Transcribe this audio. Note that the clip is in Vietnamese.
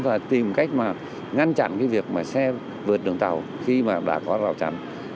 và tìm cách mà ngăn chặn cái việc mà xe vượt đường tàu khi mà đã có rào chắn